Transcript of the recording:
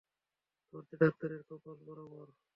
ধরতে ডাক্তারের কপাল বরাবর!